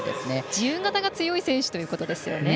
自由形が強い選手ということですよね。